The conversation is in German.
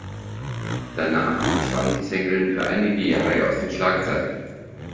Danach verschwand die Sängerin für einige Jahre aus den Schlagzeilen.